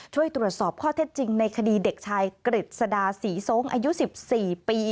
ช่วยตรวจสอบข้อเท็จจริงในคดีเด็กชายกฤษดาศรีทรงอายุ๑๔ปี